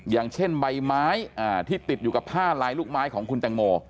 อย่างเช่นใบไม้ที่ติดอยู่กับผ้าลายลูกไม้ของคุณแตงโม